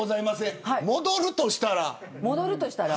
戻るとしたら。